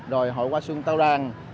rồi hội hoa xuân tàu ràng